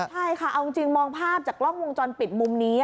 ใช่ค่ะเอาจริงมองภาพจากกล้องวงจรปิดมุมนี้